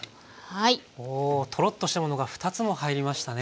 おとろっとしたものが２つも入りましたね